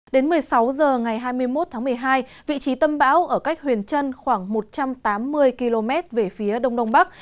đến một mươi sáu h ngày hai mươi một tháng một mươi hai vị trí tâm bão ở cách huyền trân khoảng một trăm tám mươi km về phía đông đông bắc